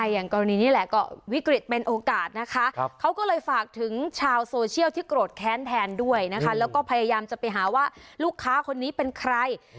อย่างกรณีนี้แหละก็วิกฤตเป็นโอกาสนะคะเขาก็เลยฝากถึงชาวโซเชียลที่โกรธแค้นแทนด้วยนะคะแล้วก็พยายามจะไปหาว่าลูกค้าคนนี้เป็นใคร